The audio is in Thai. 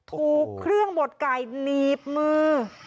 ถูกเครื่องบดไก่หนีบมือ